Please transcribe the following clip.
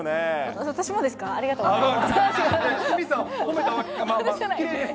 私もですか、ありがとうございます。